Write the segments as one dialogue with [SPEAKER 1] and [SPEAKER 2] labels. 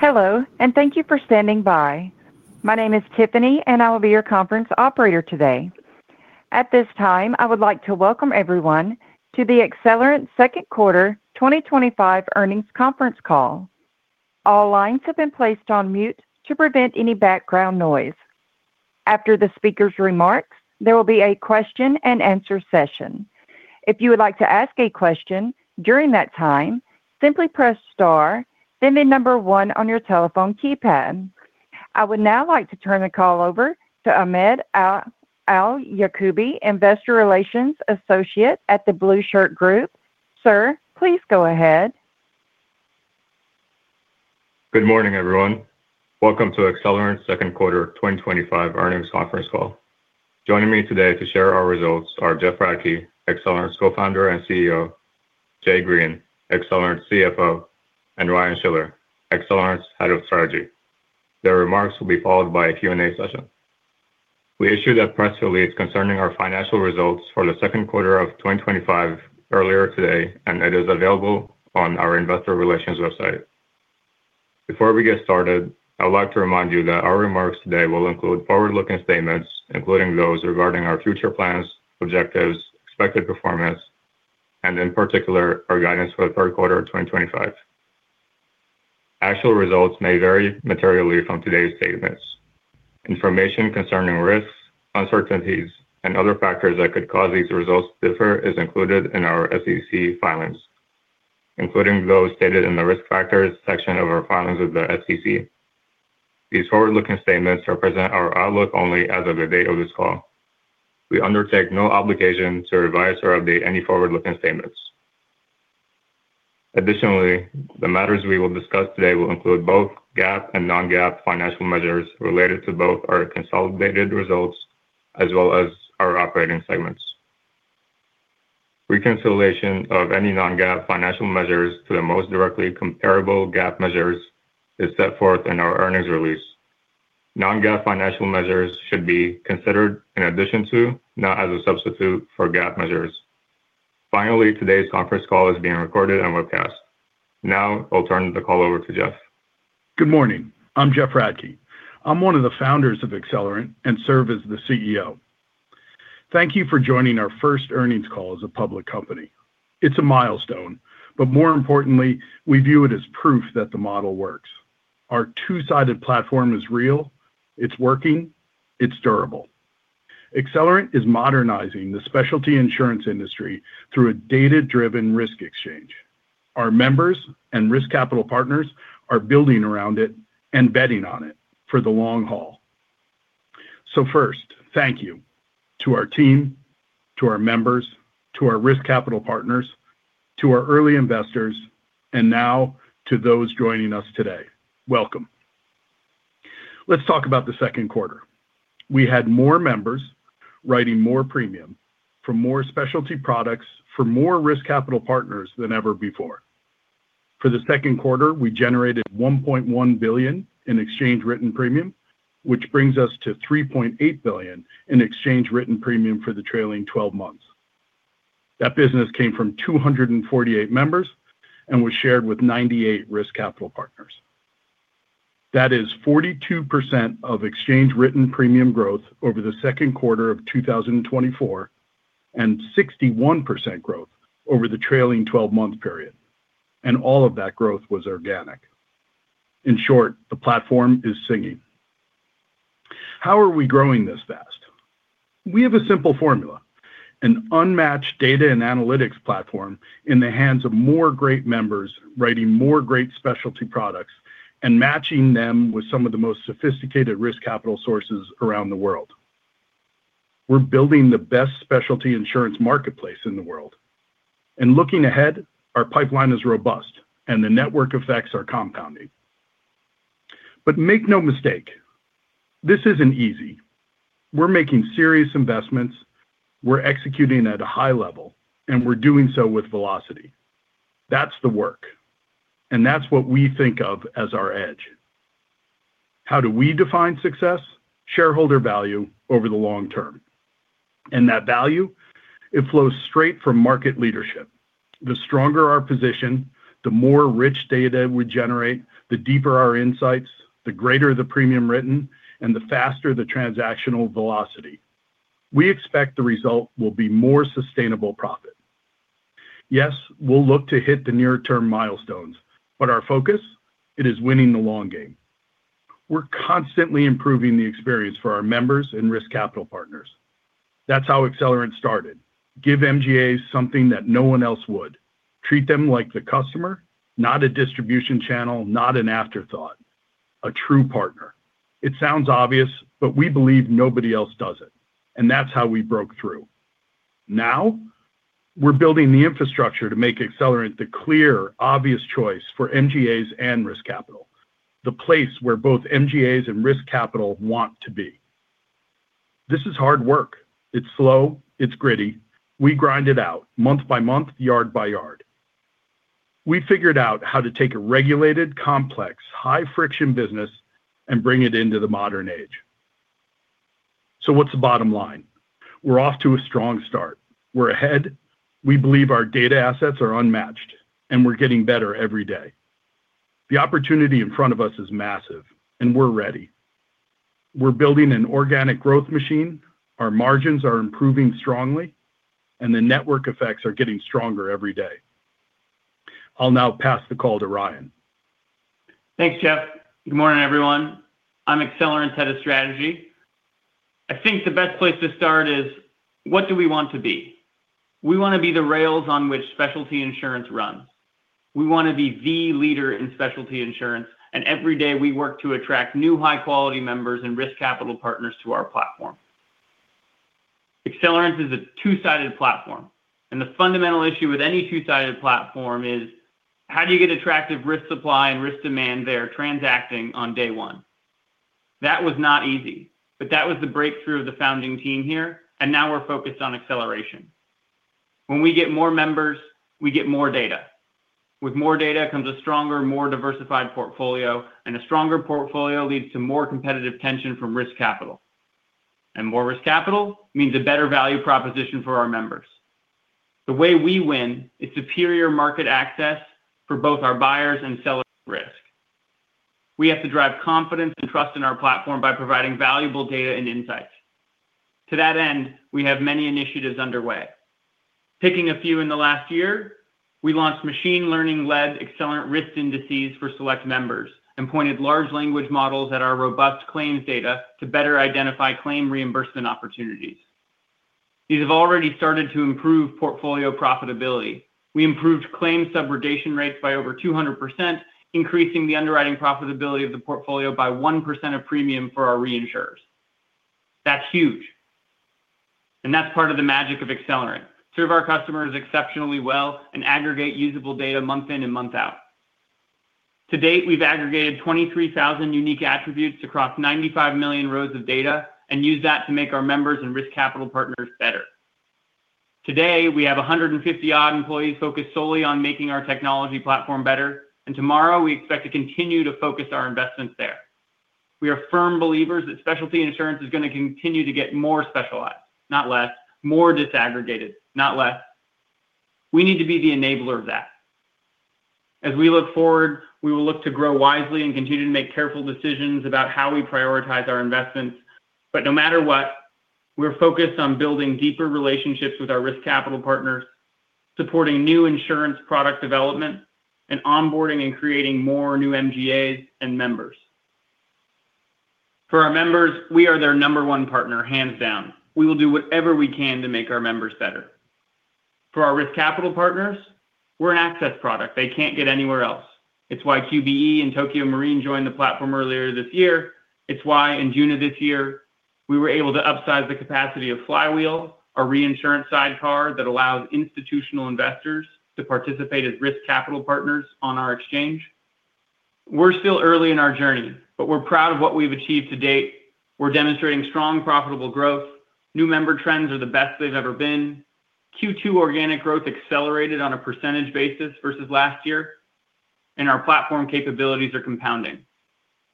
[SPEAKER 1] Hello, and thank you for standing by. My name is Tiffany, and I will be your conference operator today. At this time, I would like to welcome everyone to the Accelerant Second Quarter 2025 Earnings Conference Call. All lines have been placed on mute to prevent any background noise. After the speaker's remarks, there will be a question and answer session. If you would like to ask a question during that time, simply press star, then the number one on your telephone keypad. I would now like to turn the call over to Ahmed Al-Yacoubi, Investor Relations Associate at the Blue Shirt Group. Sir, please go ahead.
[SPEAKER 2] Good morning, everyone. Welcome to Accelerant's Second Quarter 2025 Earnings Conference Call. Joining me today to share our results are Jeff Radke, Accelerant's Co-Founder and CEO, Jay Green, Accelerant's CFO, and Ryan Schiller, Accelerant's Head of Strategy. Their remarks will be followed by a Q&A session. We issued a press release concerning our financial results for the second quarter of 2025 earlier today, and it is available on our Investor Relations website. Before we get started, I would like to remind you that our remarks today will include forward-looking statements, including those regarding our future plans, objectives, expected performance, and in particular, our guidance for the third quarter of 2025. Actual results may vary materially from today's statements. Information concerning risks, uncertainties, and other factors that could cause these results to differ is included in our SEC filings, including those stated in the risk factors section of our filings with the SEC. These forward-looking statements represent our outlook only as of the date of this call. We undertake no obligation to revise or update any forward-looking statements. Additionally, the matters we will discuss today will include both GAAP and non-GAAP financial measures related to both our consolidated results as well as our operating segments. Reconciliation of any non-GAAP financial measures to the most directly comparable GAAP measures is set forth in our earnings release. Non-GAAP financial measures should be considered in addition to, not as a substitute for GAAP measures. Finally, today's conference call is being recorded and webcast. Now, I'll turn the call over to Jeff.
[SPEAKER 3] Good morning. I'm Jeff Radke. I'm one of the founders of Accelerant and serve as the CEO. Thank you for joining our first earnings call as a public company. It's a milestone, but more importantly, we view it as proof that the model works. Our two-sided platform is real. It's working. It's durable. Accelerant is modernizing the specialty insurance industry through a data-driven risk exchange. Our members and risk capital partners are building around it and betting on it for the long haul. First, thank you to our team, to our members, to our risk capital partners, to our early investors, and now to those joining us today. Welcome. Let's talk about the second quarter. We had more members writing more premium for more specialty products for more risk capital partners than ever before. For the second quarter, we generated $1.1 billion in exchange written premium, which brings us to $3.8 billion in exchange written premium for the trailing 12 months. That business came from 248 members and was shared with 98 risk capital partners. That is 42% exchange written premium growth over the second quarter of 2024 and 61% growth over the trailing 12-month period. All of that growth was organic. In short, the platform is singing. How are we growing this fast? We have a simple formula: an unmatched data and analytics platform in the hands of more great members writing more great specialty products and matching them with some of the most sophisticated risk capital sources around the world. We're building the best specialty insurance marketplace in the world. Looking ahead, our pipeline is robust and the network effects are compounding. Make no mistake, this isn't easy. We're making serious investments, we're executing at a high level, and we're doing so with velocity. That's the work. That's what we think of as our edge. How do we define success? Shareholder value over the long term. That value, it flows straight from market leadership. The stronger our position, the more rich data we generate, the deeper our insights, the greater the premium written, and the faster the transactional velocity. We expect the result will be more sustainable profit. Yes, we'll look to hit the near-term milestones, but our focus, it is winning the long game. We're constantly improving the experience for our members and risk capital partners. That's how Accelerant started. Give MGAs something that no one else would. Treat them like the customer, not a distribution channel, not an afterthought. A true partner. It sounds obvious, but we believe nobody else does it. That's how we broke through. Now, we're building the infrastructure to make Accelerant the clear, obvious choice for MGAs and risk capital. The place where both MGAs and risk capital want to be. This is hard work. It's slow. It's gritty. We grind it out month by month, yard by yard. We figured out how to take a regulated, complex, high-friction business and bring it into the modern age. What's the bottom line? We're off to a strong start. We're ahead. We believe our data assets are unmatched, and we're getting better every day. The opportunity in front of us is massive, and we're ready. We're building an organic growth machine. Our margins are improving strongly, and the network effects are getting stronger every day. I'll now pass the call to Ryan.
[SPEAKER 4] Thanks, Jeff. Good morning, everyone. I'm Accelerant Head of Strategy. I think the best place to start is, what do we want to be? We want to be the rails on which specialty insurance runs. We want to be the leader in specialty insurance, and every day we work to attract new high-quality members and risk capital partners to our platform. Accelerant is a two-sided platform, and the fundamental issue with any two-sided platform is, how do you get attractive risk supply and risk demand there transacting on day one? That was not easy, but that was the breakthrough of the founding team here, and now we're focused on acceleration. When we get more members, we get more data. With more data comes a stronger, more diversified portfolio, and a stronger portfolio leads to more competitive tension from risk capital. More risk capital means a better value proposition for our members. The way we win is superior market access for both our buyers and sellers of risk. We have to drive confidence and trust in our platform by providing valuable data and insights. To that end, we have many initiatives underway. Picking a few in the last year, we launched machine learning-led risk indices for select members and pointed large language models at our robust claims data to better identify claim reimbursement opportunities. These have already started to improve portfolio profitability. We improved claim subrogation rates by over 200%, increasing the underwriting profitability of the portfolio by 1% of premium for our reinsurers. That's huge. That's part of the magic of Accelerant. Serve our customers exceptionally well and aggregate usable data month in and month out. To date, we've aggregated 23,000 unique attributes across 95 million rows of data and use that to make our members and risk capital partners better. Today, we have 150-odd employees focused solely on making our technology platform better, and tomorrow we expect to continue to focus our investments there. We are firm believers that specialty insurance is going to continue to get more specialized, not less, more disaggregated, not less. We need to be the enabler of that. As we look forward, we will look to grow wisely and continue to make careful decisions about how we prioritize our investments. No matter what, we're focused on building deeper relationships with our risk capital partners, supporting new insurance product development, and onboarding and creating more new MGAs and members. For our members, we are their number one partner, hands down. We will do whatever we can to make our members better. For our risk capital partners, we're an access product they can't get anywhere else. It's why QBE and Tokio Marine joined the platform earlier this year. It's why, in June of this year, we were able to upsize the capacity of Flywheel, a reinsurance sidecar that allows institutional investors to participate as risk capital partners on our exchange. We're still early in our journey, but we're proud of what we've achieved to date. We're demonstrating strong profitable growth. New member trends are the best they've ever been. Q2 organic growth accelerated on a % basis versus last year, and our platform capabilities are compounding.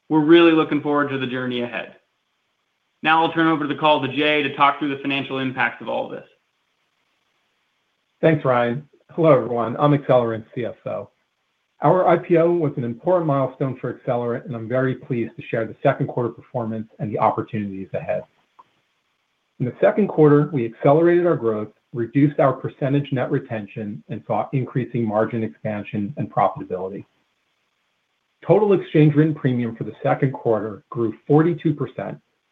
[SPEAKER 4] We're really looking forward to the journey ahead. Now I'll turn over the call to Jay to talk through the financial impacts of all of this.
[SPEAKER 5] Thanks, Ryan. Hello, everyone. I'm Accelerant's CFO. Our IPO was an important milestone for Accelerant, and I'm very pleased to share the second quarter performance and the opportunities ahead. In the second quarter, we accelerated our growth, reduced our % net retention, and saw increasing margin expansion and profitability. Total exchange written premium for the second quarter grew 42%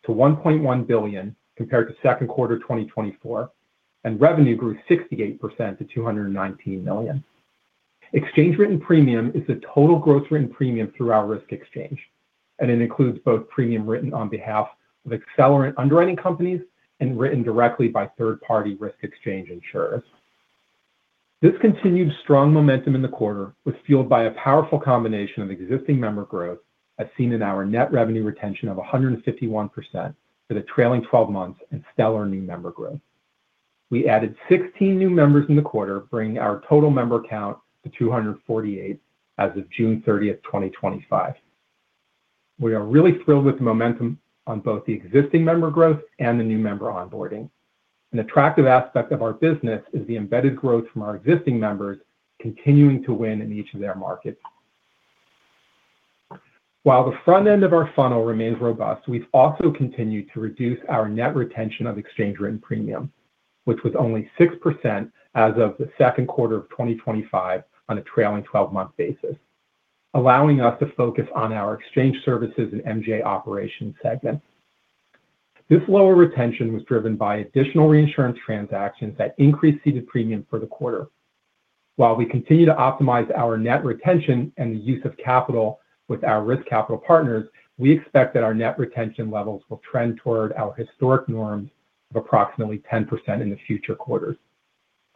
[SPEAKER 5] to $1.1 billion compared to second quarter 2024, and revenue grew 68% to $219 million. Exchange written premium is the total gross written premium through our risk exchange, and it includes both premium written on behalf of Accelerant underwriting companies and written directly by third-party risk exchange insurers. This continued strong momentum in the quarter was fueled by a powerful combination of existing member growth, as seen in our net revenue retention of 151% for the trailing 12 months, and stellar new member growth. We added 16 new members in the quarter, bringing our total member count to 248 as of June 30, 2025. We are really thrilled with the momentum on both the existing member growth and the new member onboarding. An attractive aspect of our business is the embedded growth from our existing members continuing to win in each of their markets. While the front end of our funnel remains robust, we've also continued to reduce our net retention of exchange written premium, which was only 6% as of the second quarter of 2025 on a trailing 12-month basis, allowing us to focus on our exchange services and MGA operations segment. This lower retention was driven by additional reinsurance transactions that increased ceded premium for the quarter. While we continue to optimize our net retention and the use of capital with our risk capital partners, we expect that our net retention levels will trend toward our historic norm of approximately 10% in the future quarters.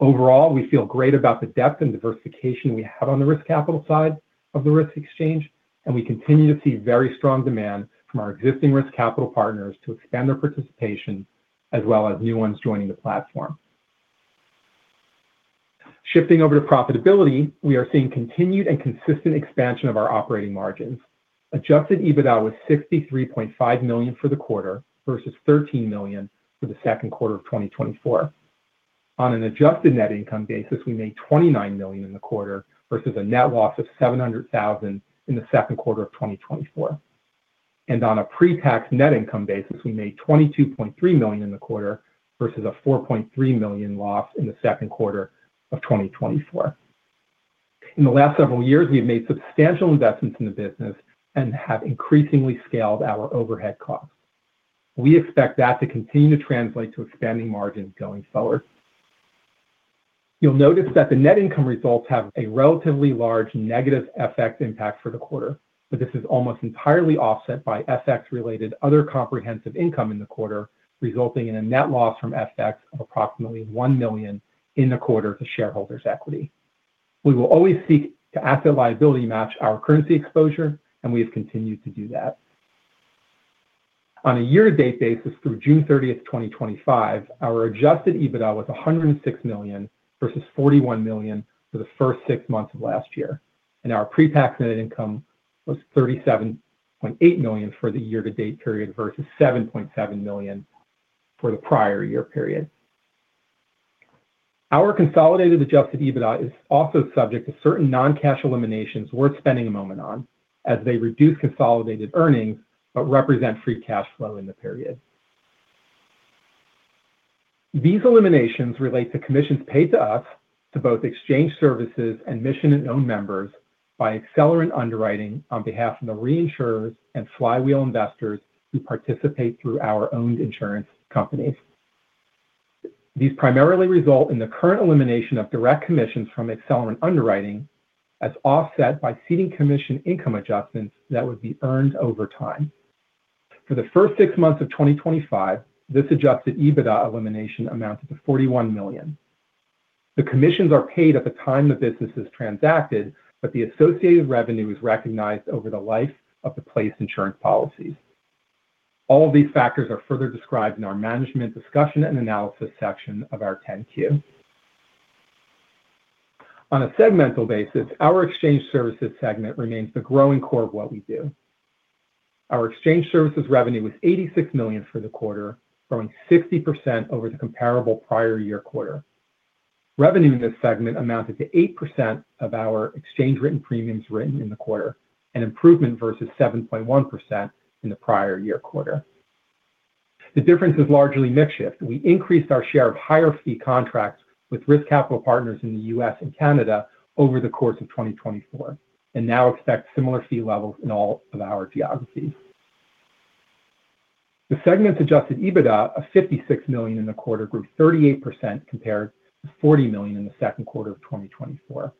[SPEAKER 5] Overall, we feel great about the depth and diversification we had on the risk capital side of the risk exchange, and we continue to see very strong demand from our existing risk capital partners to expand their participation, as well as new ones joining the platform. Shifting over to profitability, we are seeing continued and consistent expansion of our operating margins. Adjusted EBITDA was $63.5 million for the quarter versus $13 million for the second quarter of 2024. On an adjusted net income basis, we made $29 million in the quarter versus a net loss of $0.7 million in the second quarter of 2024. On a pre-tax net income basis, we made $22.3 million in the quarter versus a $4.3 million loss in the second quarter of 2024. In the last several years, we've made substantial investments in the business and have increasingly scaled our overhead costs. We expect that to continue to translate to expanding margins going forward. You'll notice that the net income results have a relatively large negative FX impact for the quarter, but this is almost entirely offset by FX-related other comprehensive income in the quarter, resulting in a net loss from FX of approximately $1 million in the quarter to shareholders' equity. We will always seek to asset liability match our currency exposure, and we have continued to do that. On a year-to-date basis through June 30, 2025, our adjusted EBITDA was $106 million versus $41 million for the first six months of last year, and our pre-tax net income was $37.8 million for the year-to-date period versus $7.7 million for the prior year period. Our consolidated adjusted EBITDA is also subject to certain non-cash eliminations worth spending a moment on, as they reduce consolidated earnings but represent free cash flow in the period. These eliminations relate to commissions paid to us, to both exchange services and mission-owned members by Accelerant underwriting on behalf of the reinsurers and Flywheel investors who participate through our owned insurance companies. These primarily result in the current elimination of direct commissions from Accelerant underwriting that's offset by ceding commission income adjustments that would be earned over time. For the first six months of 2025, this adjusted EBITDA elimination amounted to $41 million. The commissions are paid at the time the business is transacted, but the associated revenue is recognized over the life of the placed insurance policies. All of these factors are further described in our management discussion and analysis section of our 10-Q. On a segmental basis, our exchange services segment remains the growing core of what we do. Our exchange services revenue was $86 million for the quarter, growing 60% over the comparable prior year quarter. Revenue in this segment amounted to 8% of our exchange written premiums written in the quarter, an improvement versus 7.1% in the prior year quarter. The difference is largely midship. We increased our share of higher fee contracts with risk capital partners in the U.S. and Canada over the course of 2024, and now expect similar fee levels in all of our geographies. The segment's adjusted EBITDA of $56 million in the quarter grew 38% compared to $40 million in the second quarter of 2024,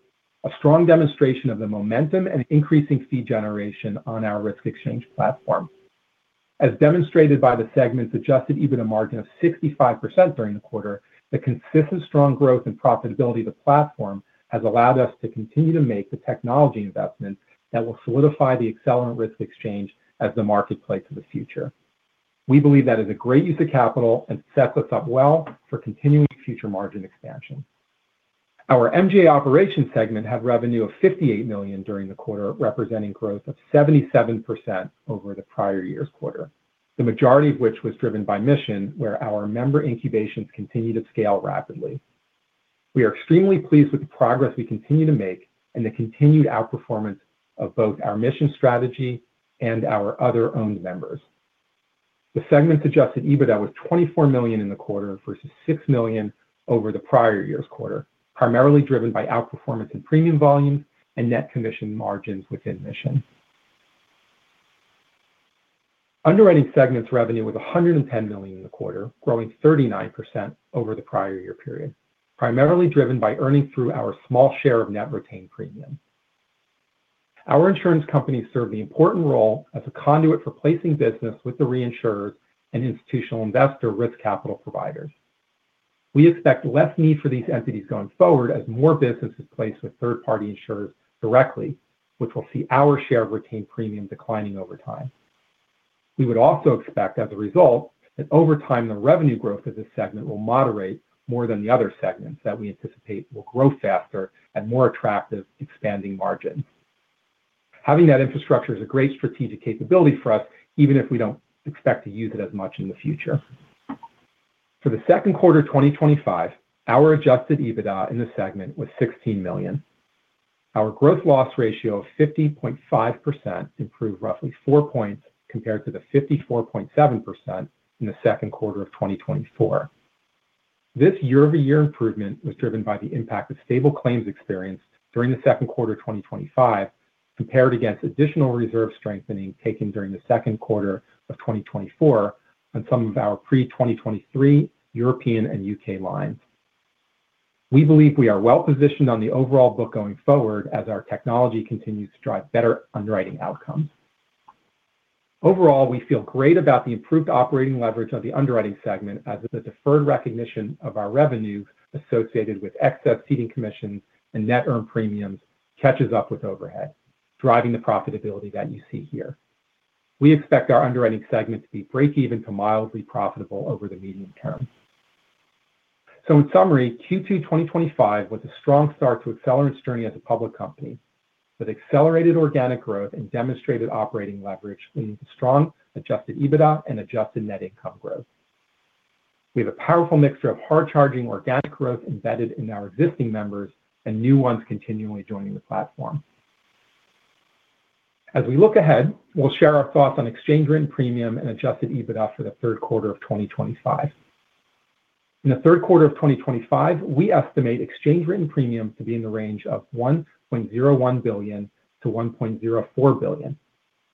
[SPEAKER 5] a strong demonstration of the momentum and increasing fee generation on our risk exchange platform. As demonstrated by the segment's adjusted EBITDA margin of 65% during the quarter, the consistent strong growth and profitability of the platform has allowed us to continue to make the technology investment that will solidify the Accelerant risk exchange as the marketplace of the future. We believe that is a great use of capital and sets us up well for continuing future margin expansion. Our MGA operations segment had revenue of $58 million during the quarter, representing growth of 77% over the prior year's quarter, the majority of which was driven by mission, where our member incubations continue to scale rapidly. We are extremely pleased with the progress we continue to make and the continued outperformance of both our mission strategy and our other owned members. The segment's adjusted EBITDA was $24 million in the quarter versus $6 million over the prior year's quarter, primarily driven by outperformance in premium volumes and net commission margins within mission. Underwriting segment's revenue was $110 million in the quarter, growing 39% over the prior year period, primarily driven by earnings through our small share of net retained premium. Our insurance companies serve the important role as a conduit for placing business with the reinsurers and institutional investor risk capital providers. We expect less need for these entities going forward as more business is placed with third-party insurers directly, which will see our share of retained premium declining over time. We would also expect, as a result, that over time the revenue growth of this segment will moderate more than the other segments that we anticipate will grow faster and more attractive expanding margins. Having that infrastructure is a great strategic capability for us, even if we don't expect to use it as much in the future. For the second quarter of 2025, our adjusted EBITDA in the segment was $16 million. Our gross loss ratio of 50.5% improved roughly four points compared to the 54.7% in the second quarter of 2024. This year-over-year improvement was driven by the impact of stable claims experience during the second quarter of 2025, compared against additional reserve strengthening taken during the second quarter of 2024 on some of our pre-2023 European and UK lines. We believe we are well positioned on the overall book going forward as our technology continues to drive better underwriting outcomes. Overall, we feel great about the improved operating leverage of the underwriting segment as the deferred recognition of our revenues associated with excess ceding commissions and net earned premiums catches up with overhead, driving the profitability that you see here. We expect our underwriting segment to be breakeven to mildly profitable over the medium term. In summary, Q2 2025 was a strong start to Accelerant's journey as a public company with accelerated organic growth and demonstrated operating leverage in strong adjusted EBITDA and adjusted net income growth. We have a powerful mixture of hard-charging organic growth embedded in our existing members and new ones continually joining the platform. As we look ahead, we'll share our thoughts on exchange written premium and adjusted EBITDA for the third quarter of 2025. In the third quarter of 2025, we estimate exchange written premium to be in the range of $1.01 billion to $1.04 billion,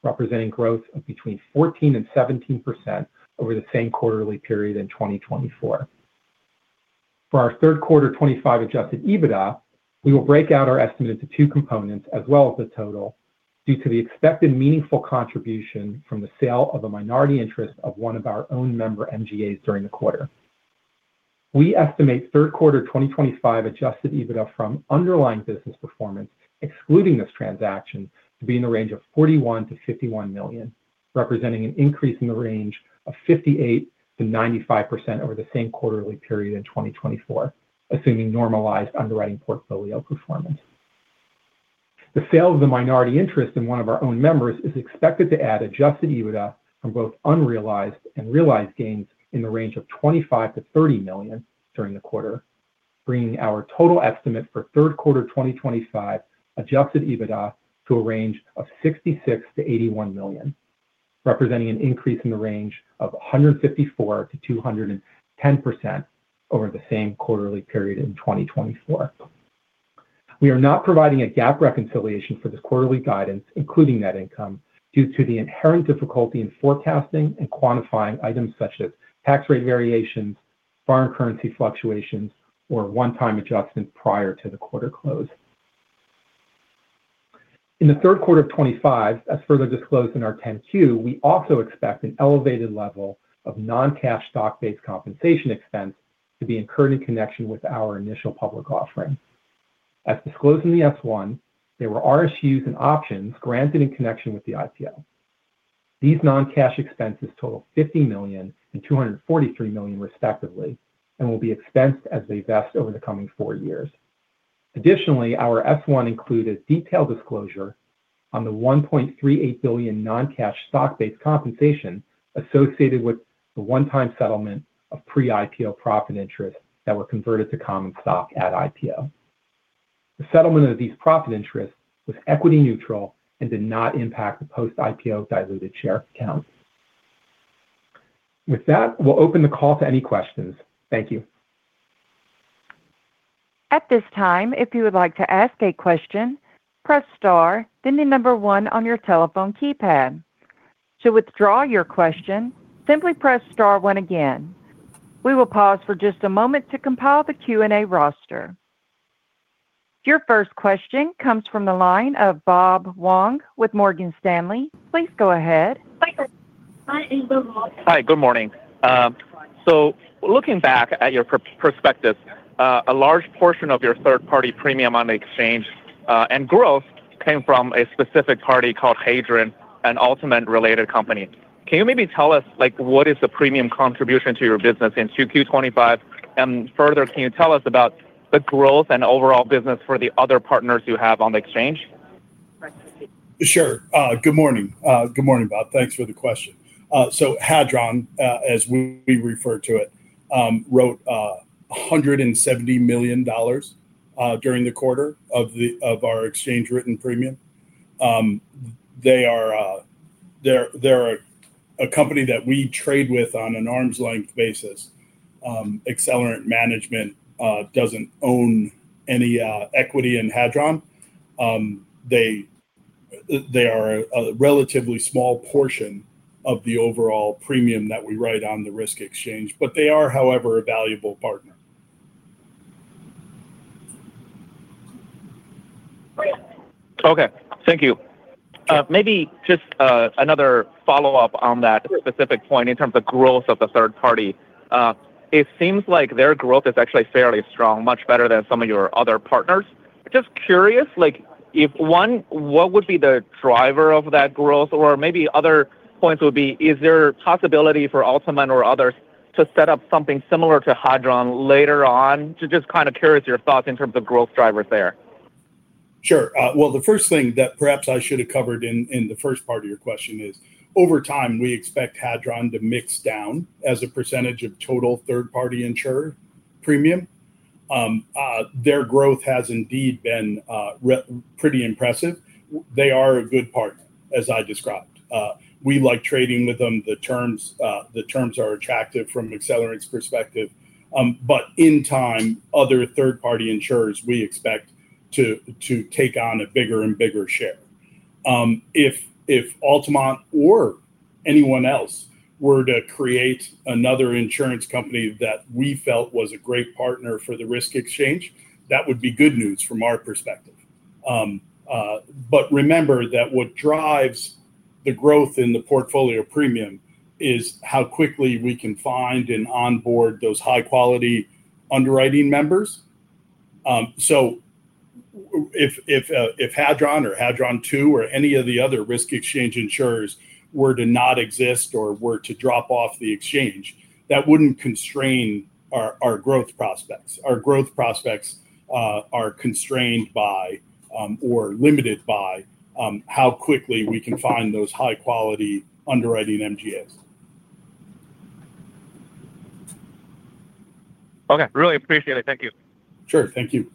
[SPEAKER 5] representing growth of between 14% and 17% over the same quarterly period in 2024. For our third quarter 2025 adjusted EBITDA, we will break out our estimate into two components, as well as the total, due to the expected meaningful contribution from the sale of a minority interest of one of our owned member MGAs during the quarter. We estimate third quarter 2025 adjusted EBITDA from underlying business performance, excluding this transaction, to be in the range of $41 million-$51 million, representing an increase in the range of 58% to 95% over the same quarterly period in 2024, assuming normalized underwriting portfolio performance. The sale of the minority interest in one of our owned members is expected to add adjusted EBITDA from both unrealized and realized gains in the range of $25 million-$30 million during the quarter, bringing our total estimate for third quarter 2025 adjusted EBITDA to a range of $66 million-$81 million, representing an increase in the range of 154% to 210% over the same quarterly period in 2024. We are not providing a GAAP reconciliation for this quarterly guidance, including net income, due to the inherent difficulty in forecasting and quantifying items such as tax rate variations, foreign currency fluctuations, or one-time adjustments prior to the quarter close. In the third quarter of 2025, as further disclosed in our 10-Q, we also expect an elevated level of non-cash stock-based compensation expense to be incurred in connection with our initial public offering. As disclosed in the F-1, there were RSUs and options granted in connection with the IPO. These non-cash expenses total $50 million and $243 million, respectively, and will be expensed as they vest over the coming four years. Additionally, our F-1 included detailed disclosure on the $1.38 billion non-cash stock-based compensation associated with the one-time settlement of pre-IPO profit interests that were converted to common stock at IPO. The settlement of these profit interests was equity neutral and did not impact the post-IPO diluted share counts. With that, we'll open the call to any questions. Thank you.
[SPEAKER 1] At this time, if you would like to ask a question, press star, then the number one on your telephone keypad. To withdraw your question, simply press star one again. We will pause for just a moment to compile the Q&A roster. Your first question comes from the line of Bob Wong with Morgan Stanley. Please go ahead.
[SPEAKER 6] Hi, good morning. Looking back at your perspective, a large portion of your third-party premium on the exchange and growth came from a specific party called Hadron, an Ultimate-related company. Can you maybe tell us, like, what is the premium contribution to your business in Q2? Further, can you tell us about the growth and overall business for the other partners you have on the exchange?
[SPEAKER 3] Good morning, Bob. Thanks for the question. Hadron, as we refer to it, wrote $170 million during the quarter of our exchange written premium. They are a company that we trade with on an arm's length basis. Accelerant Management doesn't own any equity in Hadron. They are a relatively small portion of the overall premium that we write on the risk exchange, but they are, however, a valuable partner.
[SPEAKER 6] Okay. Thank you. Maybe just another follow-up on that specific point in terms of the growth of the third party. It seems like their growth is actually fairly strong, much better than some of your other partners. Just curious, like, if one, what would be the driver of that growth? Or maybe other points would be, is there a possibility for Ultimate or others to set up something similar to Hadron later on? Just kind of curious your thoughts in terms of the growth drivers there.
[SPEAKER 3] Sure. The first thing that perhaps I should have covered in the first part of your question is, over time, we expect Hadron to mix down as a percentage of total third-party insurer premium. Their growth has indeed been pretty impressive. They are a good partner, as I described. We like trading with them. The terms are attractive from Accelerant's perspective. In time, other third-party insurers we expect to take on a bigger and bigger ship. If Ultimate or anyone else were to create another insurance company that we felt was a great partner for the risk exchange, that would be good news from our perspective. Remember that what drives the growth in the portfolio premium is how quickly we can find and onboard those high-quality underwriting members. If Hadron or Hadron2 or any of the other risk exchange insurers were to not exist or were to drop off the exchange, that wouldn't constrain our growth prospects. Our growth prospects are constrained by or limited by how quickly we can find those high-quality underwriting MGAs.
[SPEAKER 6] Okay, really appreciate it. Thank you.
[SPEAKER 3] Sure, thank you.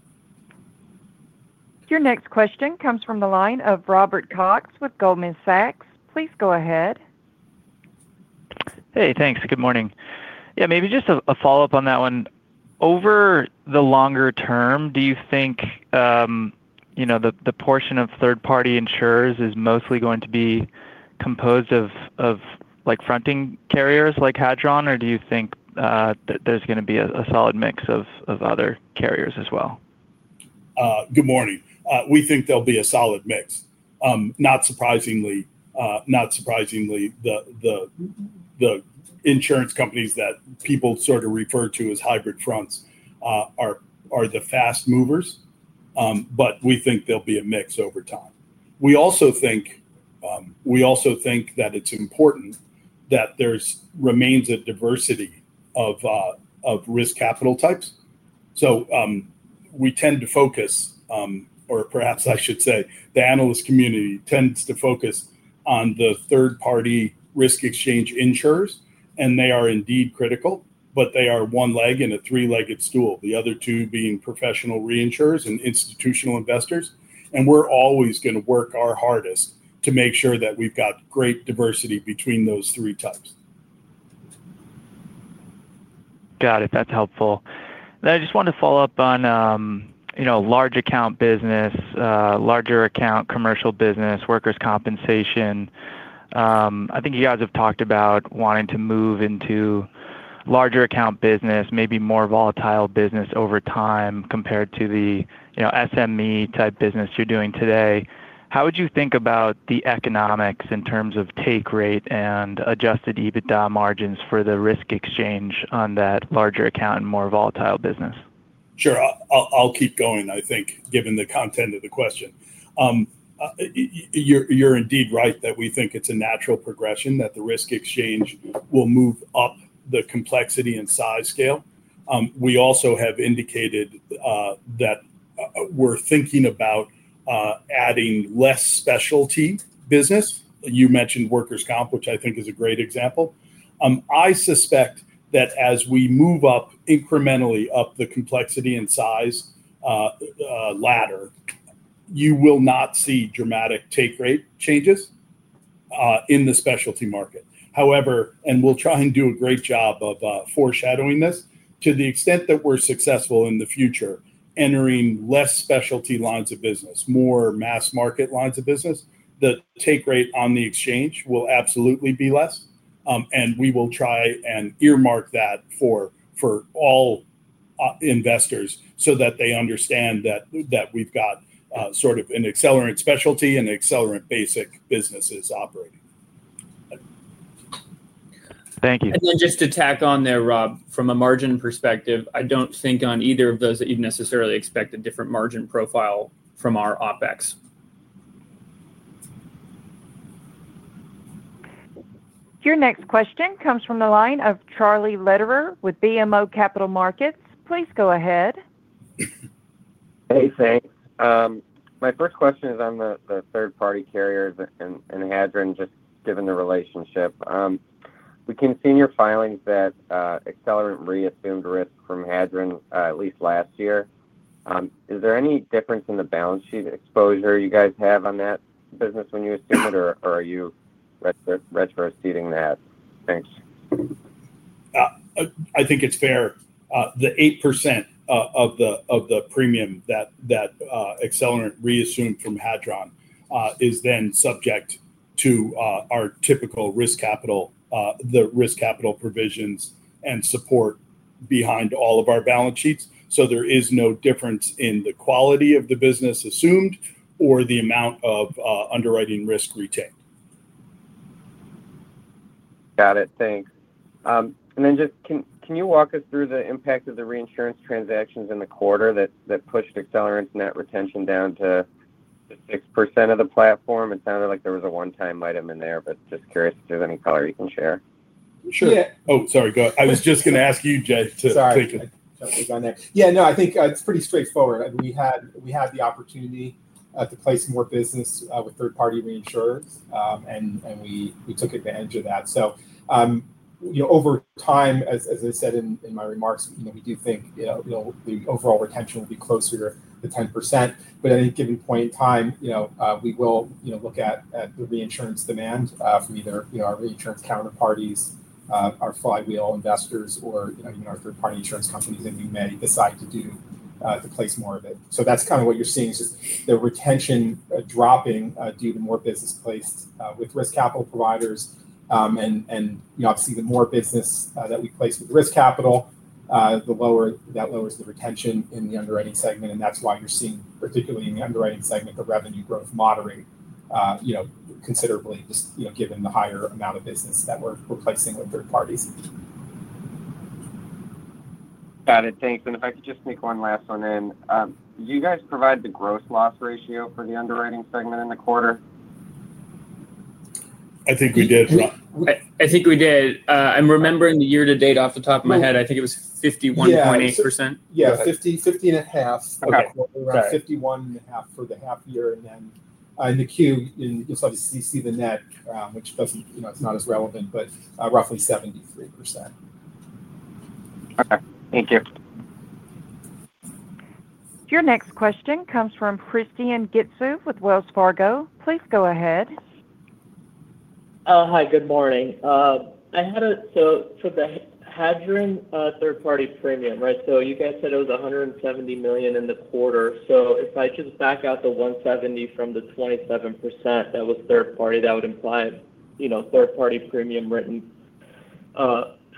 [SPEAKER 1] Your next question comes from the line of Robert Cox with Goldman Sachs. Please go ahead.
[SPEAKER 7] Hey, thanks. Good morning. Maybe just a follow-up on that one. Over the longer term, do you think the portion of third-party insurers is mostly going to be composed of, like, fronting carriers like Hadron, or do you think that there's going to be a solid mix of other carriers as well?
[SPEAKER 3] Good morning. We think there'll be a solid mix. Not surprisingly, the insurance companies that people sort of refer to as hybrid fronts are the fast movers, but we think there'll be a mix over time. We also think that it's important that there remains a diversity of risk capital types. We tend to focus, or perhaps I should say, the analyst community tends to focus on the third-party risk exchange insurers, and they are indeed critical, but they are one leg in a three-legged stool, the other two being professional reinsurers and institutional investors. We're always going to work our hardest to make sure that we've got great diversity between those three types.
[SPEAKER 7] Got it. That's helpful. I just want to follow up on a large account business, larger account commercial business, workers' compensation. I think you guys have talked about wanting to move into larger account business, maybe more volatile business over time compared to the SME type business you're doing today. How would you think about the economics in terms of take rate and adjusted EBITDA margins for the risk exchange on that larger account and more volatile business?
[SPEAKER 3] Sure. I'll keep going, I think, given the content of the question. You're indeed right that we think it's a natural progression that the risk exchange will move up the complexity and size scale. We also have indicated that we're thinking about adding less specialty business. You mentioned workers' comp, which I think is a great example. I suspect that as we move up incrementally up the complexity and size ladder, you will not see dramatic take rate changes in the specialty market. However, we will try and do a great job of foreshadowing this. To the extent that we're successful in the future, entering less specialty lines of business, more mass market lines of business, the take rate on the exchange will absolutely be less. We will try and earmark that for all investors so that they understand that we've got sort of an Accelerant specialty and Accelerant basic businesses operating.
[SPEAKER 6] Thank you.
[SPEAKER 4] Just to tack on there, Bob, from a margin perspective, I don't think on either of those that you'd necessarily expect a different margin profile from our OpEx.
[SPEAKER 1] Your next question comes from the line of Charlie Lederer with BMO Capital Markets. Please go ahead.
[SPEAKER 8] Hey, thanks. My first question is on the third-party carriers and Hadron, just given the relationship. We can see in your filings that Accelerant reassumed risk from Hadron at least last year. Is there any difference in the balance sheet exposure you guys have on that business when you assumed it, or are you retroceding that? Thanks.
[SPEAKER 3] I think it's fair. The 8% of the premium that Accelerant reassumed from Hadron is then subject to our typical risk capital, the risk capital provisions, and support behind all of our balance sheets. There is no difference in the quality of the business assumed or the amount of underwriting risk retained.
[SPEAKER 8] Got it. Thanks. Can you walk us through the impact of the reinsurance transactions in the quarter that pushed Accelerant's net retention down to 6% of the platform? It sounded like there was a one-time item in there, but just curious if there's any color you can share.
[SPEAKER 3] Sure. Sorry, go ahead. I was just going to ask you, Jay, to take it. I don't think on that. Yeah, no, I think it's pretty straightforward. We had the opportunity to place some more business with third-party reinsurers, and we took advantage of that. Over time, as I said in my remarks, we do think the overall retention will be closer to 10%. At any given point in time, we will look at the reinsurance demand from either our reinsurance counterparties, our Flywheel investors, or even our third-party insurance companies, and we may decide to place more of it. That's kind of what you're seeing is just the retention dropping due to more business placed with risk capital providers. Obviously, the more business that we place with risk capital, the lower that lowers the retention in the underwriting segment. That's why you're seeing, particularly in the underwriting segment, the revenue growth moderate considerably, just given the higher amount of business that we're placing with third parties.
[SPEAKER 8] Got it. Thanks. If I could just sneak one last one in, did you guys provide the gross loss ratio for the underwriting segment in the quarter?
[SPEAKER 3] I think we did.
[SPEAKER 5] I think we did. I'm remembering the year-to-date off the top of my head. I think it was 51.8%.
[SPEAKER 3] Yeah, 50.5% for the quarter, around 51.5% for the half year. In the Q, you'll obviously see the net, which doesn't, you know, it's not as relevant, but roughly 73%.
[SPEAKER 8] Okay, thank you.
[SPEAKER 1] Your next question comes from Hristian Getsov with Wells Fargo. Please go ahead.
[SPEAKER 9] Hi, good morning. For the Hadron third-party premium, right? You guys said it was $170 million in the quarter. If I just back out the $170 million from the 27% that was third-party, that would imply third-party written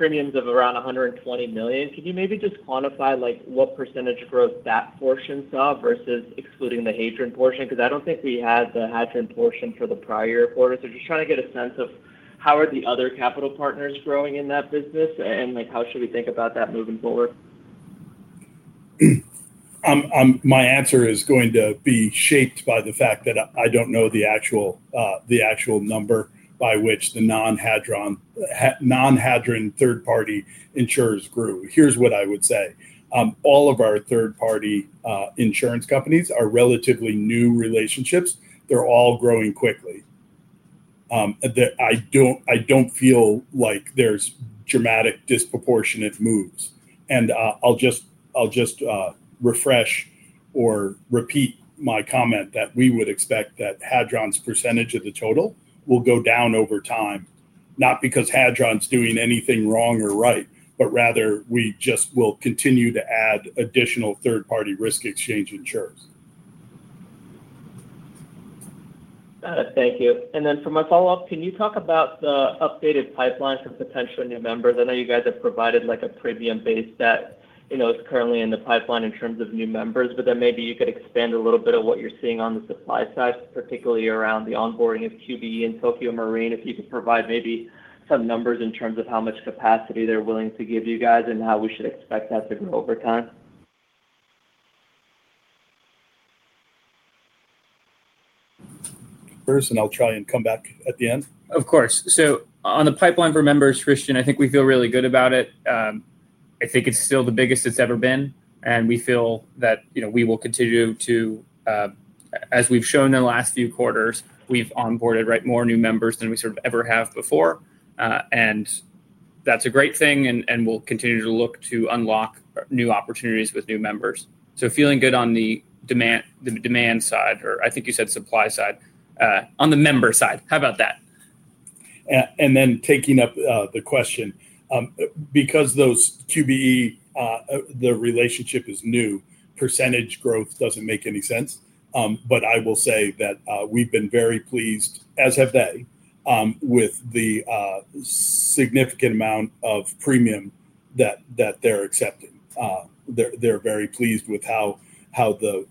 [SPEAKER 9] premiums of around $120 million. Could you maybe just quantify what % growth that portion saw versus excluding the Hadron portion? I don't think we had the Hadron portion for the prior year quarter. I'm just trying to get a sense of how the other capital partners are growing in that business, and how should we think about that moving forward?
[SPEAKER 3] My answer is going to be shaped by the fact that I don't know the actual number by which the non-Hadron third-party insurers grew. Here's what I would say. All of our third-party insurance companies are relatively new relationships. They're all growing quickly. I don't feel like there's dramatic disproportionate moves. I'll just refresh or repeat my comment that we would expect that Hadron's percentage of the total will go down over time, not because Hadron's doing anything wrong or right, but rather we just will continue to add additional third-party risk exchange insurers.
[SPEAKER 9] Got it. Thank you. For my follow-up, can you talk about the updated pipelines of potential new members? I know you guys have provided, like, a premium base that is currently in the pipeline in terms of new members, but maybe you could expand a little bit on what you're seeing on the supply side, particularly around the onboarding of QBE and Tokio Marine. If you could provide maybe some numbers in terms of how much capacity they're willing to give you guys and how we should expect that to go over time.
[SPEAKER 3] First, I'll try and come back at the end.
[SPEAKER 4] Of course. On the pipeline for members, Hristian, I think we feel really good about it. I think it's still the biggest it's ever been, and we feel that we will continue to, as we've shown in the last few quarters, we've onboarded more new members than we sort of ever have before. That's a great thing, and we'll continue to look to unlock new opportunities with new members. Feeling good on the demand side, or I think you said supply side, on the member side. How about that?
[SPEAKER 3] Taking up the question, because those QBE, the relationship is new, % growth doesn't make any sense. I will say that we've been very pleased, as have they, with the significant amount of premium that they're accepting. They're very pleased with how the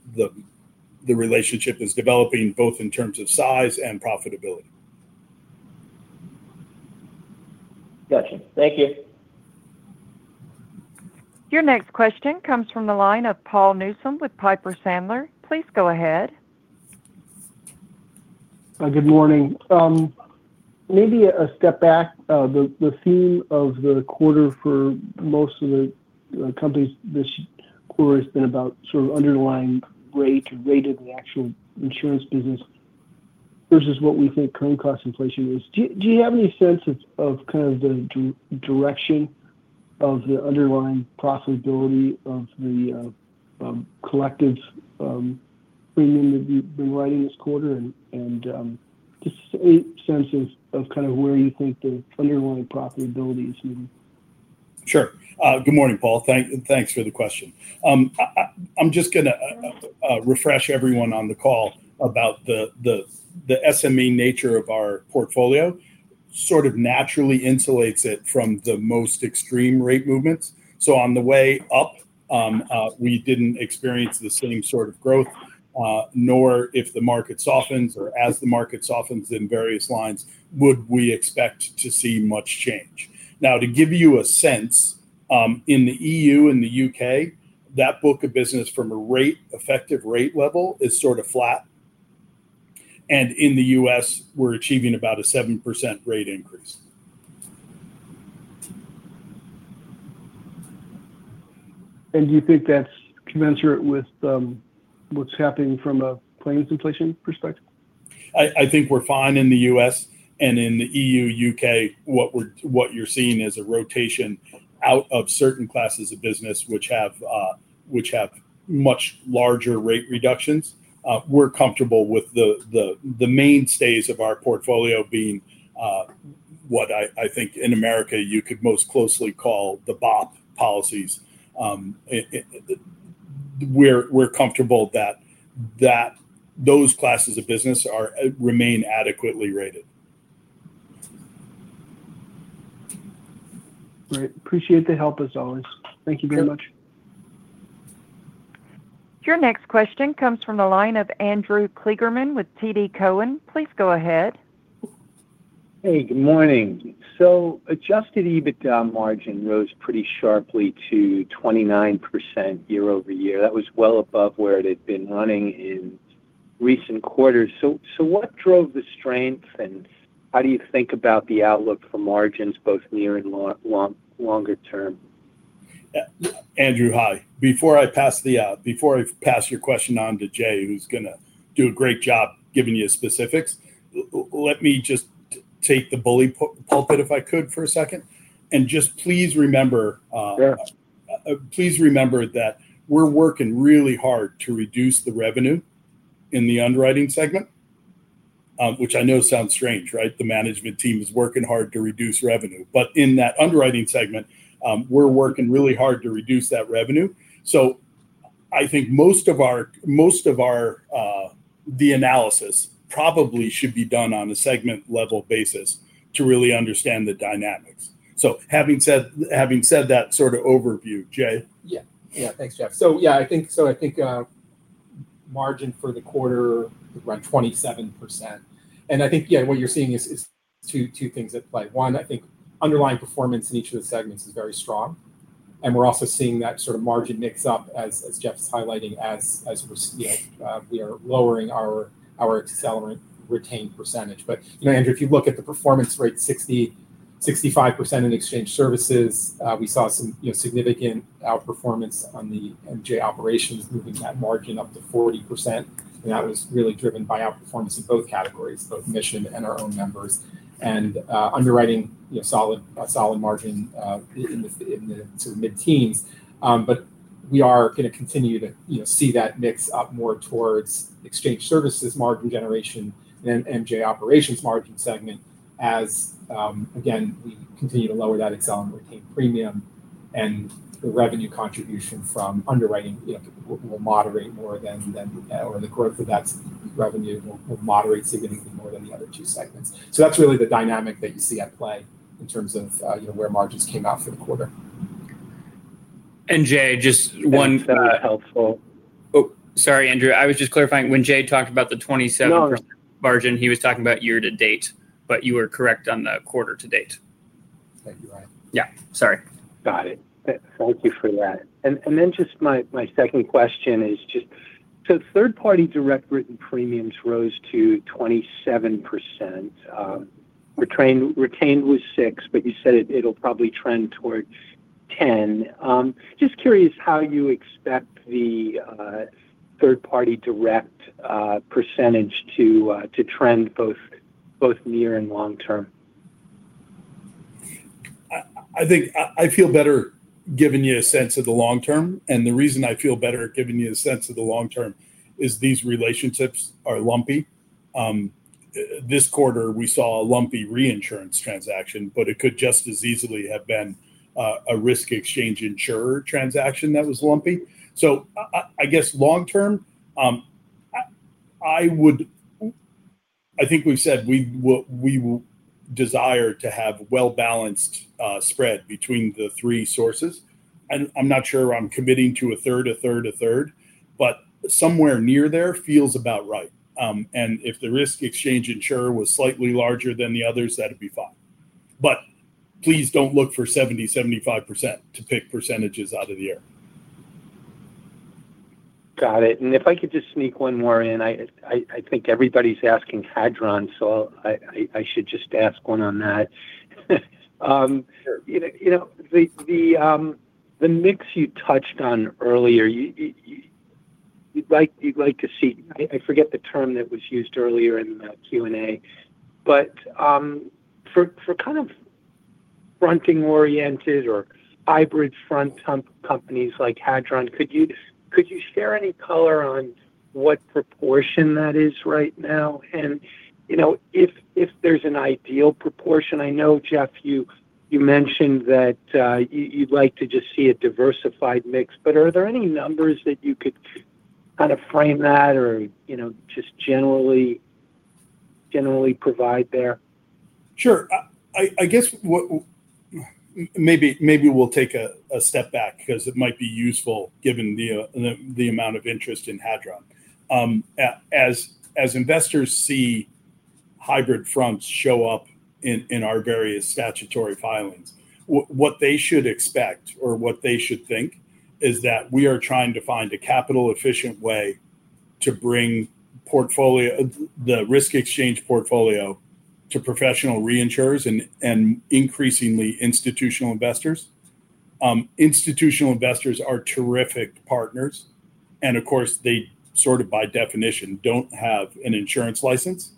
[SPEAKER 3] relationship is developing, both in terms of size and profitability.
[SPEAKER 9] Gotcha. Thank you.
[SPEAKER 1] Your next question comes from the line of Paul Newsom with Piper Sandler. Please go ahead.
[SPEAKER 10] Good morning. Maybe a step back. The theme of the quarter for most of the companies this quarter has been about sort of underlying rate or rate of the actual insurance business versus what we think current cost inflation is. Do you have any sense of the direction of the underlying profitability of the collective premium that we've been writing this quarter? Just any sense of where you think the underlying profitability is moving?
[SPEAKER 3] Sure. Good morning, Paul. Thanks for the question. I'm just going to refresh everyone on the call about the SME nature of our portfolio. It sort of naturally insulates it from the most extreme rate movements. On the way up, we didn't experience the same sort of growth, nor if the market softens or as the market softens in various lines, would we expect to see much change. To give you a sense, in the EU and the UK, that book of business from a rate effective rate level is sort of flat. In the U.S., we're achieving about a 7% rate increase.
[SPEAKER 10] Do you think that's commensurate with what's happening from a claims inflation perspective?
[SPEAKER 3] I think we're fine in the U.S. In the EU and U.K., what you're seeing is a rotation out of certain classes of business which have much larger rate reductions. We're comfortable with the mainstays of our portfolio being what I think in America you could most closely call the BOP policies. We're comfortable that those classes of business remain adequately rated.
[SPEAKER 7] Great. Appreciate the help, as always. Thank you very much.
[SPEAKER 1] Your next question comes from the line of Andrew Kligerman with TD Cowen. Please go ahead.
[SPEAKER 11] Good morning. Adjusted EBITDA margin rose pretty sharply to 29% year-over-year. That was well above where it had been running in recent quarters. What drove the strength, and how do you think about the outlook for margins both near and longer term?
[SPEAKER 3] Andrew, hi. Before I pass your question on to Jay, who's going to do a great job giving you specifics, let me just take the bully pulpit if I could for a second. Please remember that we're working really hard to reduce the revenue in the underwriting segment, which I know sounds strange, right? The management team is working hard to reduce revenue. In that underwriting segment, we're working really hard to reduce that revenue. I think most of our analysis probably should be done on a segment-level basis to really understand the dynamics. Having said that sort of overview, Jay?
[SPEAKER 5] Yeah. Yeah. Thanks, Jeff. I think margin for the quarter is around 27%. I think what you're seeing is two things at play. One, I think underlying performance in each of the segments is very strong. We're also seeing that sort of margin mix up, as Jeff's highlighting, as we are lowering our Accelerant retained percentage. You know, Andrew, if you look at the performance rate, 65% in exchange services, we saw some significant outperformance on the MGA operations, moving that margin up to 40%. That was really driven by outperformance in both categories, both mission and our own members. Underwriting, you know, solid margin in the mid-teens. We are going to continue to see that mix up more towards exchange services margin generation and MGA operations margin segment as, again, we continue to lower that Accelerant retained premium. The revenue contribution from underwriting, you know, will moderate more than, or in the growth of that revenue, will moderate significantly more than the other two segments. That's really the dynamic that you see at play in terms of, you know, where margins came out for the quarter.
[SPEAKER 4] Jay, just one.
[SPEAKER 5] That's not helpful.
[SPEAKER 4] Oh, sorry, Andrew. I was just clarifying when Jay talked about the 27% margin, he was talking about year-to-date, but you were correct on the quarter-to-date.
[SPEAKER 5] Thank you, Ryan.
[SPEAKER 4] Yeah. Sorry.
[SPEAKER 11] Got it. Thank you for that. My second question is just, third-party direct written premiums rose to 27%. Retained was 6%, but you said it'll probably trend towards 10%. Just curious how you expect the third-party direct percentage to trend both near and long term.
[SPEAKER 3] I think I feel better giving you a sense of the long term. The reason I feel better giving you a sense of the long term is these relationships are lumpy. This quarter, we saw a lumpy reinsurance transaction, but it could just as easily have been a risk exchange insurer transaction that was lumpy. I guess long term, I would, I think we've said we will desire to have a well-balanced spread between the three sources. I'm not sure I'm committing to a third, a third, a third, but somewhere near there feels about right. If the risk exchange insurer was slightly larger than the others, that'd be fine. Please don't look for 70%, 75% to pick percentages out of the air.
[SPEAKER 11] Got it. If I could just sneak one more in, I think everybody's asking Hadron, so I should just ask one on that. The mix you touched on earlier, you'd like to see, I forget the term that was used earlier in the Q&A, but for kind of fronting-oriented or hybrid front companies like Hadron, could you share any color on what proportion that is right now? If there's an ideal proportion, I know, Jeff, you mentioned that you'd like to just see a diversified mix. Are there any numbers that you could kind of frame that or just generally provide there?
[SPEAKER 3] Sure. I guess maybe we'll take a step back because it might be useful given the amount of interest in Hadron. As investors see hybrid fronts show up in our various statutory filings, what they should expect or what they should think is that we are trying to find a capital-efficient way to bring the risk exchange portfolio to professional reinsurers and increasingly institutional investors. Institutional investors are terrific partners. Of course, they sort of, by definition, don't have an insurance license.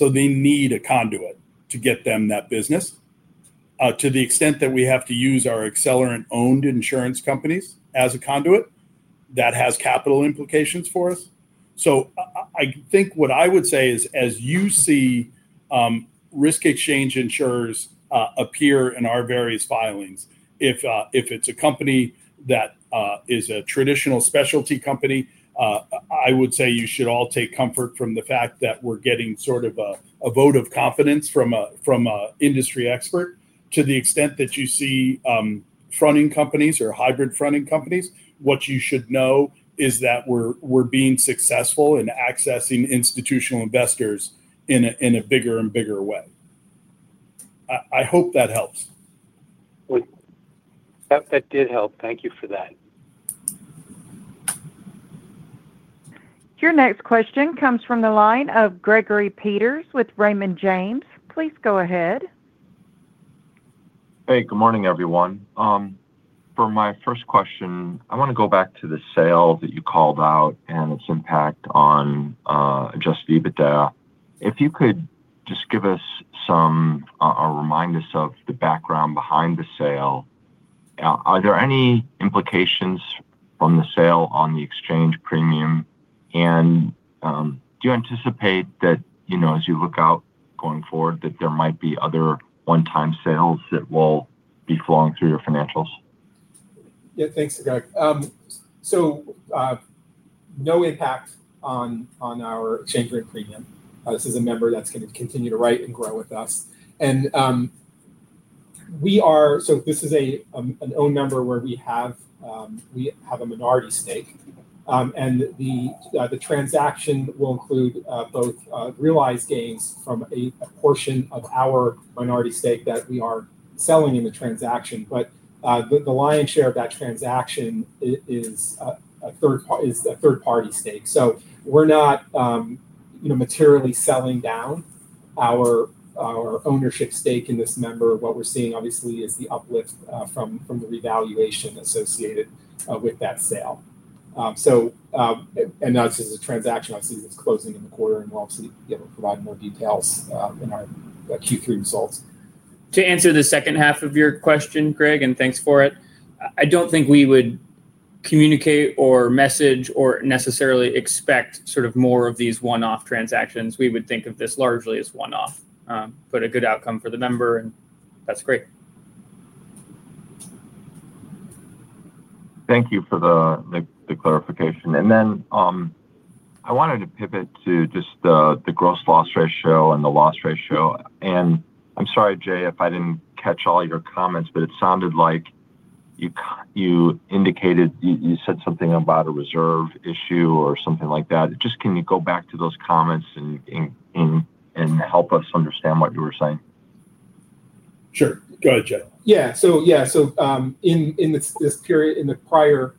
[SPEAKER 3] They need a conduit to get them that business. To the extent that we have to use our Accelerant-owned insurance companies as a conduit, that has capital implications for us. I think what I would say is, as you see risk exchange insurers appear in our various filings, if it's a company that is a traditional specialty company, I would say you should all take comfort from the fact that we're getting sort of a vote of confidence from an industry expert. To the extent that you see fronting companies or hybrid fronting companies, what you should know is that we're being successful in accessing institutional investors in a bigger and bigger way. I hope that helps.
[SPEAKER 11] That did help. Thank you for that.
[SPEAKER 1] Your next question comes from the line of Gregory Peters with Raymond James. Please go ahead.
[SPEAKER 12] Hey, good morning, everyone. For my first question, I want to go back to the sale that you called out and its impact on adjusted EBITDA. If you could just give us some, or remind us of the background behind the sale, are there any implications from the sale on the exchange written premium? Do you anticipate that, as you look out going forward, there might be other one-time sales that will be flowing through your financials?
[SPEAKER 5] Yeah, thanks, Doug. No impact on our exchange written premium. This is a member that's going to continue to write and grow with us. This is an owned member where we have a minority stake. The transaction will include both realized gains from a portion of our minority stake that we are selling in the transaction. The lion's share of that transaction is a third-party stake. We're not materially selling down our ownership stake in this member. What we're seeing, obviously, is the uplift from the revaluation associated with that sale. As a transaction, I see that it's closing in the quarter, and we'll obviously be able to provide more details in our Q3 results.
[SPEAKER 4] To answer the second half of your question, Greg, and thanks for it, I don't think we would communicate or message or necessarily expect more of these one-off transactions. We would think of this largely as one-off, but a good outcome for the member, and that's great.
[SPEAKER 12] Thank you for the clarification. I wanted to pivot to just the gross loss ratio and the loss ratio. I'm sorry, Jay, if I didn't catch all your comments, but it sounded like you indicated you said something about a reserve issue or something like that. Can you go back to those comments and help us understand what you were saying?
[SPEAKER 5] Sure. Gotcha. Yeah. In this period, in the prior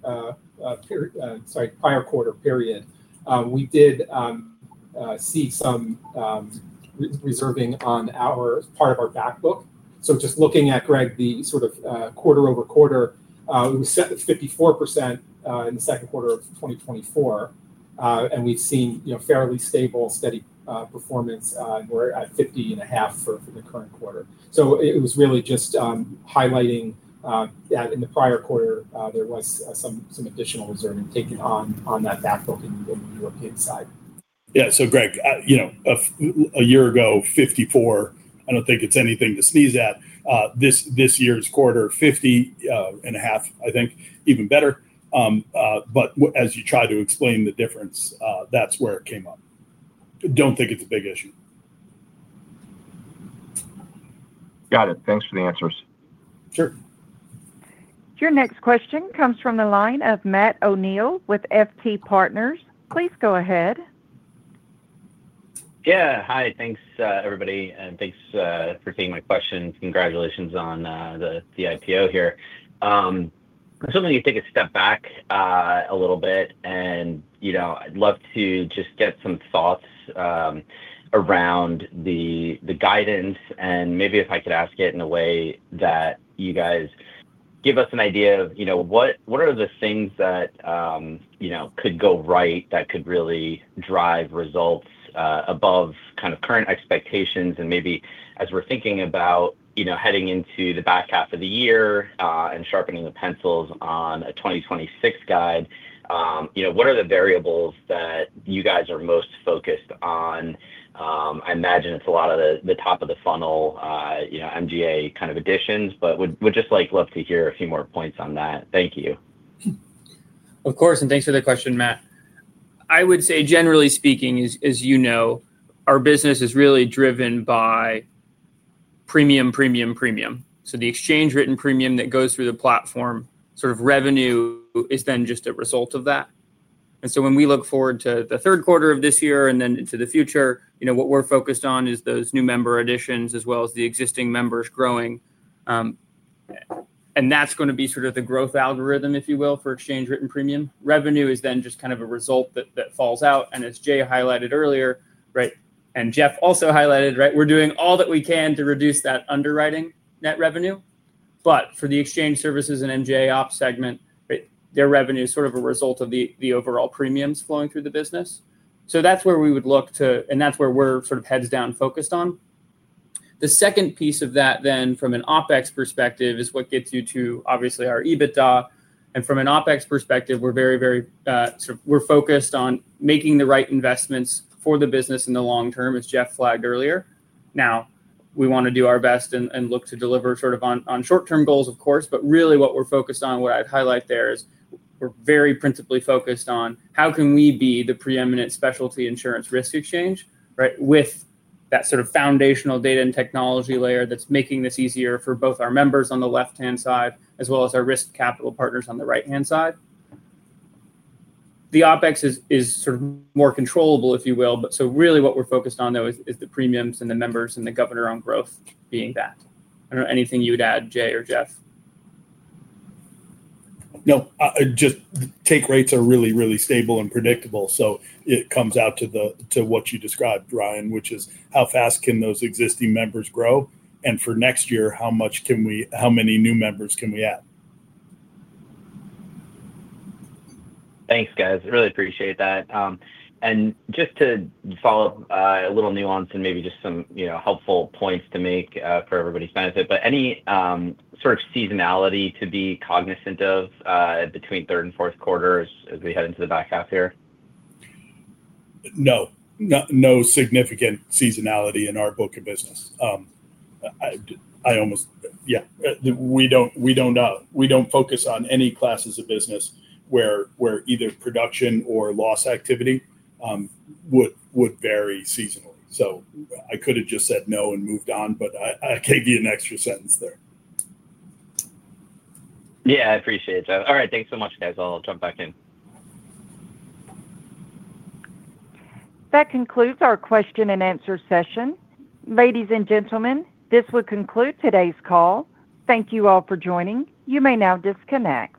[SPEAKER 5] quarter period, we did see some reserving on our part of our backbook. Just looking at, Greg, the sort of quarter over quarter, we were set at 54% in the second quarter of 2024, and we've seen fairly stable, steady performance. We're at 50.5% for the current quarter. It was really just highlighting that in the prior quarter, there was some additional reserving taken on that backbook and what we were looking at inside.
[SPEAKER 3] Yeah. Greg, you know, a year ago, 54, I don't think it's anything to sneeze at. This year's quarter, 50.5, I think, even better. As you try to explain the difference, that's where it came up. I don't think it's a big issue.
[SPEAKER 12] Got it. Thanks for the answers.
[SPEAKER 3] Sure.
[SPEAKER 1] Your next question comes from the line of Matt O'Neill with FT Partners. Please go ahead.
[SPEAKER 13] Yeah. Hi. Thanks, everybody, and thanks for taking my questions. Congratulations on the IPO here. I'm assuming you take a step back a little bit, and you know, I'd love to just get some thoughts around the guidance. Maybe if I could ask it in a way that you guys give us an idea of, you know, what are the things that, you know, could go right that could really drive results above kind of current expectations? Maybe as we're thinking about, you know, heading into the back half of the year and sharpening the pencils on a 2026 guide, you know, what are the variables that you guys are most focused on? I imagine it's a lot of the top of the funnel, you know, MGA kind of additions, but would just like love to hear a few more points on that. Thank you.
[SPEAKER 4] Of course. Thanks for the question, Matt. I would say, generally speaking, as you know, our business is really driven by premium, premium, premium. The exchange written premium that goes through the platform, revenue is then just a result of that. When we look forward to the third quarter of this year and then into the future, what we're focused on is those new member additions as well as the existing members growing. That's going to be the growth algorithm, if you will, for exchange written premium. Revenue is then just kind of a result that falls out. As Jay highlighted earlier, and Jeff also highlighted, we're doing all that we can to reduce that underwriting net revenue. For the exchange services and MGA ops segment, their revenue is sort of a result of the overall premiums flowing through the business. That's where we would look to, and that's where we're heads down focused on. The second piece of that, from an OpEx perspective, is what gets you to, obviously, our EBITDA. From an OpEx perspective, we're very, very focused on making the right investments for the business in the long term, as Jeff flagged earlier. We want to do our best and look to deliver on short-term goals, of course. What we're focused on, what I'd highlight there is we're very principally focused on how can we be the preeminent specialty insurance risk exchange, with that foundational data and technology layer that's making this easier for both our members on the left-hand side as well as our risk capital partners on the right-hand side. The OpEx is more controllable, if you will. What we're focused on, though, is the premiums and the members and the governor on growth being that. I don't know anything you'd add, Jay or Jeff.
[SPEAKER 3] No. The take rates are really, really stable and predictable. It comes out to what you described, Ryan, which is how fast can those existing members grow? For next year, how much can we, how many new members can we add?
[SPEAKER 13] Thanks, guys. I really appreciate that. Just to follow up, a little nuance and maybe just some helpful points to make for everybody's benefit, is there any sort of seasonality to be cognizant of between third and fourth quarters as we head into the back half here?
[SPEAKER 3] No. No significant seasonality in our book of business. We don't focus on any classes of business where either production or loss activity would vary seasonally. I could have just said no and moved on, but I gave you an extra sentence there.
[SPEAKER 12] Yeah, I appreciate it, Jeff. All right, thanks so much, guys. I'll jump back in.
[SPEAKER 1] That concludes our question and answer session. Ladies and gentlemen, this will conclude today's call. Thank you all for joining. You may now disconnect.